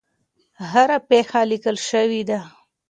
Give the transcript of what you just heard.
هره پېښه لیکل شوې ده.